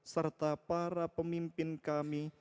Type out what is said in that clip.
serta para pemimpin kami